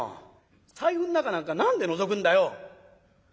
財布の中なんか何でのぞくんだよ」。